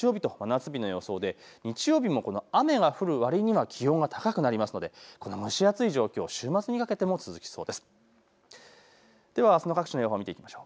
東京も土曜日、日曜日と真夏日の予想で日曜日も雨が降るわりには気温が高くなるので、蒸し暑い状況、週末にかけても続きそうです。